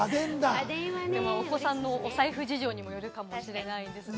お子さんのお財布事情によるかもしれないですけど。